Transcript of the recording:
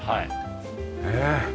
ねえ。